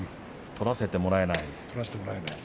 取らせてもらえない。